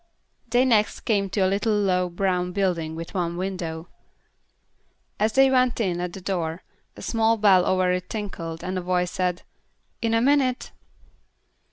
They next came to a little low brown building with one window. As they went in at the door, a small bell over it tinkled and a voice said, "In a minute."